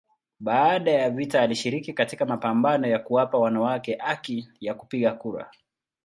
Baada ya vita alishiriki katika mapambano ya kuwapa wanawake haki ya kupiga kura.